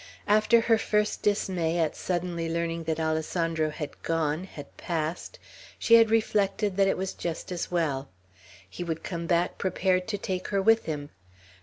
After her first dismay at suddenly learning that Alessandro had gone, had passed, she had reflected that it was just as well. He would come back prepared to take her with him.